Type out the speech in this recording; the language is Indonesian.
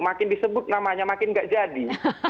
makin disebut namanya makin nggak jadi